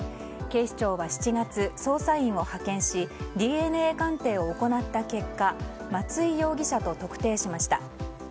警視庁が７月、捜査員を派遣しＤＮＡ鑑定を行った結果松井容疑者と特定しました。